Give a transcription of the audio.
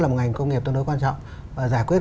là một ngành công nghiệp tương đối quan trọng và giải quyết